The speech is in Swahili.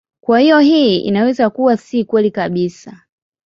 Kwa hiyo hii inaweza kuwa si kweli kabisa.